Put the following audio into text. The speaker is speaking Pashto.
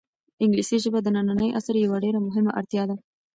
انګلیسي ژبه د ننني عصر یوه ډېره مهمه اړتیا ده.